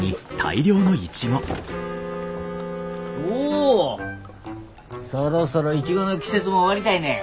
おおそろそろイチゴの季節も終わりたいね。